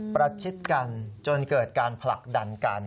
ประชิดกันจนเกิดการผลักดันกัน